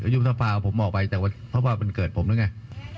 อยู่ทฟาเอาผมออกไปเพราะว่าวันเกิดผมหรือไง